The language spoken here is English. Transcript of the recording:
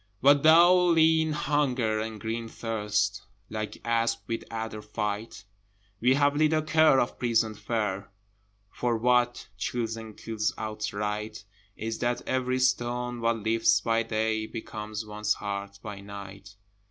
But though lean Hunger and green Thirst Like asp with adder fight, We have little care of prison fare, For what chills and kills outright Is that every stone one lifts by day Becomes one's heart by night.